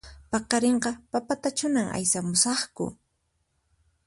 Paqarinqa papatachunan aysamusaqku